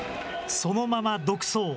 そのまま独走。